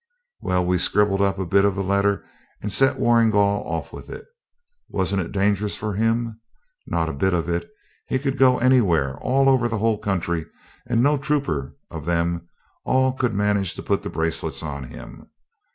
Well, we scribbled a bit of a letter and sent Warrigal off with it. Wasn't it dangerous for him? Not a bit of it. He could go anywhere all over the whole country, and no trooper of them all could manage to put the bracelets on him.